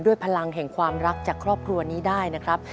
พลังแห่งความรักจากครอบครัวนี้ได้นะครับ